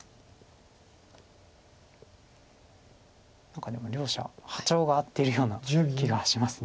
何かでも両者波長が合ってるような気がします。